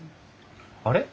あれ？